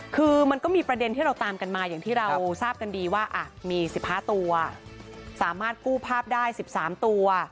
คือมันก็มีประเด็นที่เราตามกันมาอย่างที่เราทราบกันดีว่ามี๑๕ตัวสามารถกู้ภาพได้๑๓ตัว